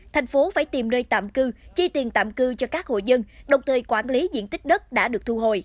thành phố phải tìm nơi tạm cư chi tiền tạm cư cho các hộ dân đồng thời quản lý diện tích đất đã được thu hồi